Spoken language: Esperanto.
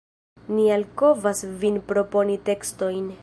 Ni alvokas vin proponi tekstojn.